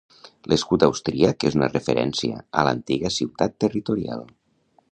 L'escut austríac és una referència a l'antiga ciutat territorial.